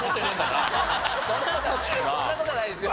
そんな事ないですよ。